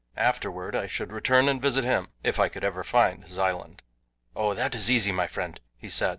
Afterward I should return and visit him if I could ever find his island. "Oh, that is easy, my friend," he said.